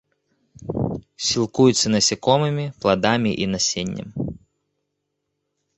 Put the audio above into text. Сілкуецца насякомымі, пладамі і насеннем.